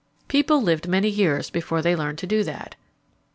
People lived many years before they learned to do that.